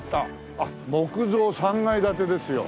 あっ木造３階建てですよ。